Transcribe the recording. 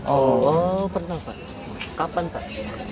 oh pernah pak kapan pak